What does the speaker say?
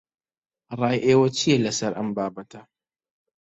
ڕای ئێوە چییە لەسەر ئەم بابەتە؟